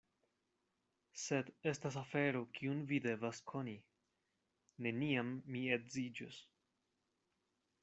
Sed estas afero, kiun vi devas koni: neniam mi edziĝos.